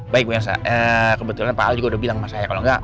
baik baik kebetulan pak juga udah bilang masanya kalau nggak